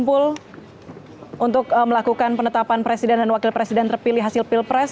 kumpul untuk melakukan penetapan presiden dan wakil presiden terpilih hasil pilpres